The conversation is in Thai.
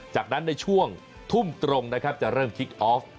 จากนั้นในช่วงทุ่มตรงนะครับจะเริ่มคิกออฟ